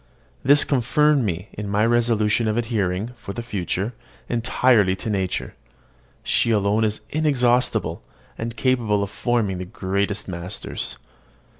This confirmed me in my resolution of adhering, for the future, entirely to nature. She alone is inexhaustible, and capable of forming the greatest masters.